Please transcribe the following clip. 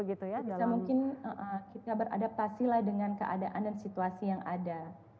kita mungkin beradaptasi dengan keadaan dan situasi yang ada